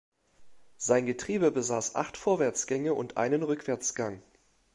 Sein Getriebe besaß acht Vorwärtsgänge und einen Rückwärtsgang.